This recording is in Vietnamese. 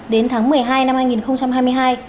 đến tháng một mươi hai năm hai nghìn hai mươi hai